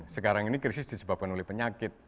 sekarang ini krisis disebabkan oleh penyakit